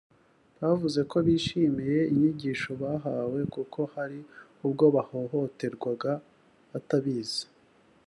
bavuze ko bishimiye inyigisho bahawe kuko hari ubwo bahohoterwaga batabizi